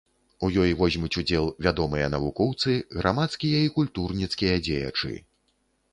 У ёй возьмуць удзел вядомыя навукоўцы, грамадскія і культурніцкія дзеячы.